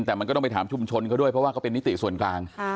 แต่มันก็ต้องไปถามชุมชนเขาด้วยเพราะว่าเขาเป็นนิติส่วนกลาง